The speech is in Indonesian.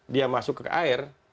dia masuk ke air